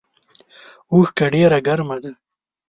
اوښکه ډیره ګرمه ده